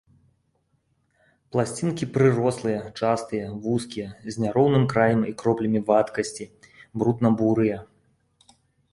Пласцінкі прырослыя, частыя, вузкія, з няроўным краем і кроплямі вадкасці, брудна-бурыя.